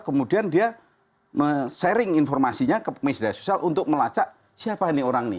kemudian dia sharing informasinya ke media sosial untuk melacak siapa ini orang ini